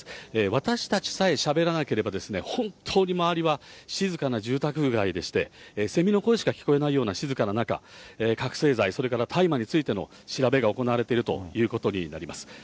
私たちさえしゃべらなければ、本当に周りは静かな住宅街でして、セミの声しか聞こえないような静かな中、覚醒剤、それから大麻についての調べが行われているということになります。